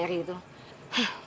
ya udah kita berdua